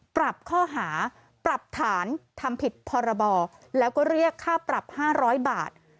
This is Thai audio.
ปรับข้อหาปรับฐานทำผิดพรบแล้วก็เรียกค่าปรับ๕๐๐บาท